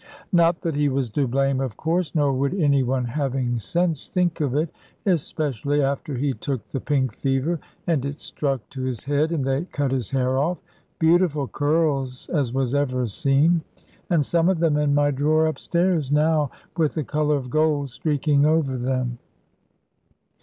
Not that he was to blame, of course, nor would any one having sense think of it, especially after he took the pink fever, and it struck to his head, and they cut his hair off. Beautiful curls as was ever seen, and some of them in my drawer up stairs now, with the colour of gold streaking over them.